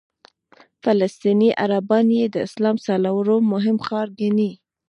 فلسطیني عربان یې د اسلام څلورم مهم ښار ګڼي.